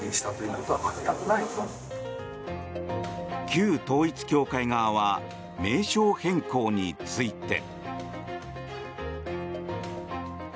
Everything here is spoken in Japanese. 旧統一教会側は名称変更について。